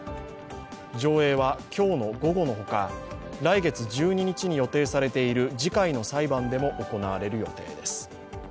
上映は今日の午後の他来月１２日に予定されている次回の裁判でも行われる予定です。